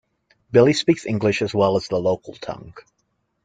Billy speaks English as well as the local tongue.